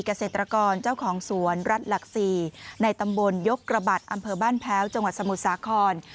เกษตรกรเจ้าของสวนรัฐหลัก๔ในตำบลยกระบัดอำเภอบ้านแพ้วจังหวัดสมุทรสาคร